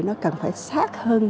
nó cần phải được giải thích